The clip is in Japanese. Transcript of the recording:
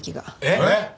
えっ！？